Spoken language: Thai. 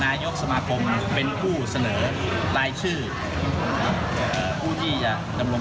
นายกสมาคมเป็นผู้เสนอรายชื่อผู้ที่จะดำรง